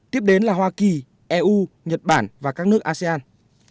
tiếp đến là hoa kỳ eu nhật bản và các nước asean